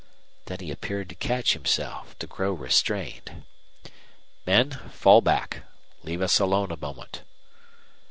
Then he appeared to catch himself, to grow restrained. "Men, fall back, leave us alone a moment."